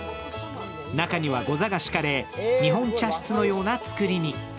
中にはゴザが敷かれ、日本茶室のような造りに。